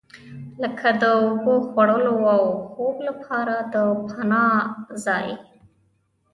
لکه د اوبو، خوړو او خوب لپاره د پناه ځای.